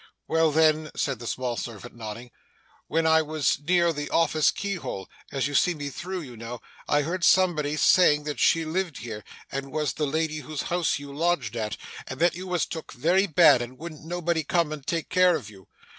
'Well then,' said the small servant, nodding; 'when I was near the office keyhole as you see me through, you know I heard somebody saying that she lived here, and was the lady whose house you lodged at, and that you was took very bad, and wouldn't nobody come and take care of you.